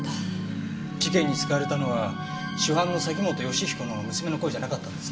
事件に使われたのは主犯の崎本善彦の娘の声じゃなかったんですね。